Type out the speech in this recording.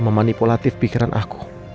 memanipulatif pikiran aku